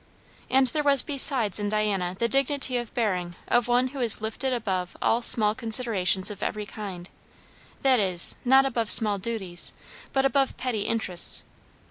And there was besides in Diana the dignity of bearing of one who is lifted above all small considerations of every kind; that is, not above small duties, but above petty interests.